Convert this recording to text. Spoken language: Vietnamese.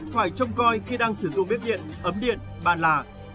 phải trông coi khi đang sử dụng bếp điện ấm điện bàn là